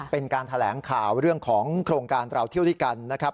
เป็นการแถลงข่าวเรื่องของโครงการเราเที่ยวด้วยกันนะครับ